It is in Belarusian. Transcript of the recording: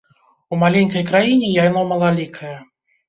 У маленькай краіне яно малалікае.